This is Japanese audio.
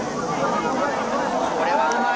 これはうまい。